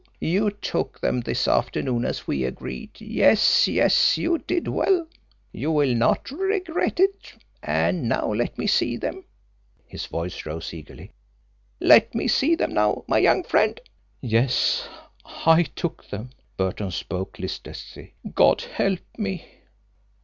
You took them this afternoon as we agreed. Yes, yes; you did well. You will not regret it. And now let me see them" his voice rose eagerly "let me see them now, my young friend." "Yes, I took them." Burton spoke listlessly. "God help me!"